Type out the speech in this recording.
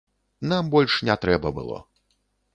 Нам больш не трэба было.